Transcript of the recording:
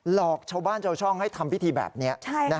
หลอกชาวบ้านชาวช่องให้ทำพิธีแบบนี้